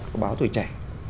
của báo tuổi trẻ